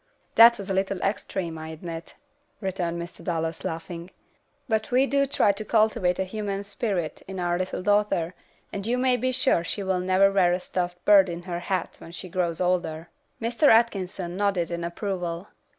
"That was a little extreme, I admit," returned Mr. Dallas, laughing, "but we do try to cultivate a humane spirit in our little daughter, and you may be sure she will never wear a stuffed bird in her hat when she grows older." Mr. Atkinson nodded in approval.